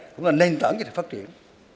cũng là nền tảng cho thể phát triển